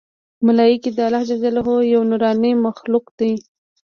ملایکې د الله ج یو نورانې مخلوق دی